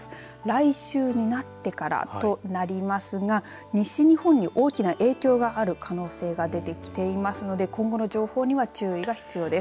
来週になってからとなりますが西日本に大きな影響がある可能性が出てきていますので今後の情報には注意が必要です。